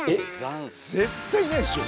絶対いないでしょ。